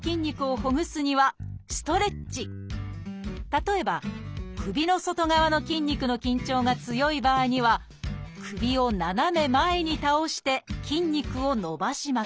例えば首の外側の筋肉の緊張が強い場合には首を斜め前に倒して筋肉を伸ばします